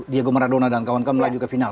diego maradona dan kawan kawan melaju ke final